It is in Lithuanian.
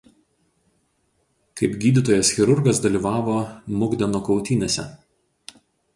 Kaip gydytojas chirurgas dalyvavo Mukdeno kautynėse.